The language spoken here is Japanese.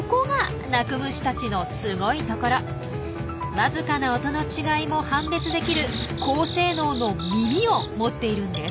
僅かな音の違いも判別できる高性能の耳を持っているんです。